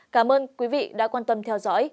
cảm ơn quý vị đã quan tâm theo dõi